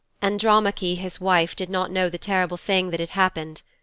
Andromache, his wife, did not know the terrible thing that had happened.